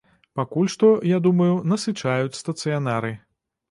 Пакуль што, я думаю, насычаюць стацыянары.